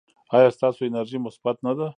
ایا ستاسو انرژي مثبت نه ده؟